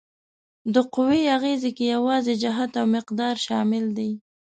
د قوې اغیزې کې یوازې جهت او مقدار شامل دي؟